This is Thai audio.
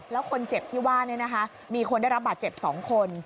แล้วคนเจ็บที่ว่ามีคนได้รับบาดเจ็บ๒คน